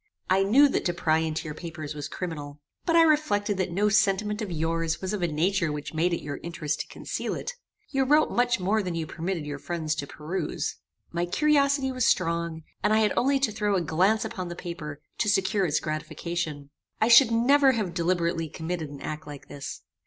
I knew that to pry into your papers was criminal; but I reflected that no sentiment of yours was of a nature which made it your interest to conceal it. You wrote much more than you permitted your friends to peruse. My curiosity was strong, and I had only to throw a glance upon the paper, to secure its gratification. I should never have deliberately committed an act like this.